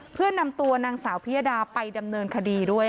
เพื่อนำตัวนางสาวพิยดาไปดำเนินคดีด้วย